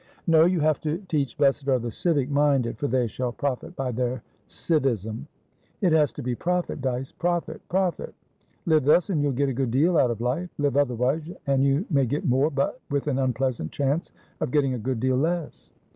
"No. You have to teach 'Blessed are the civic minded, for they shall profit by their civism.' It has to be profit, Dyce, profit, profit. Live thus, and you'll get a good deal out of life; live otherwise, and you may get more, but with an unpleasant chance of getting a good deal less."